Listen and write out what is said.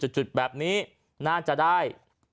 จุดแบบนี้น่าจะได้